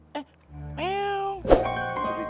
terima kasih udah nontonin